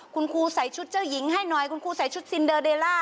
คุณครูใส่ชุดเจ้าหญิงให้หน่อยคุณครูใส่ชุดซินเดอร์เดล่า